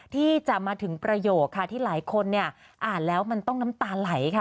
ที่จะมาถึงประโยคค่ะที่หลายคนเนี่ยอ่านแล้วมันต้องน้ำตาไหลค่ะ